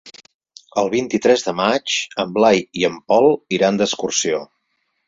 El vint-i-tres de maig en Blai i en Pol iran d'excursió.